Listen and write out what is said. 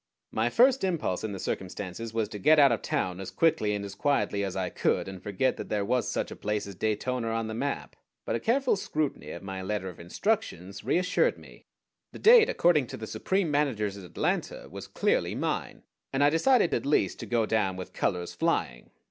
My first impulse in the circumstances was to get out of town as quickly and as quietly as I could, and forget that there was such a place as Daytona on the map; but a careful scrutiny of my letter of instructions reassured me. The date, according to the supreme managers at Atlanta, was clearly mine, and I decided at least to go down with colors flying.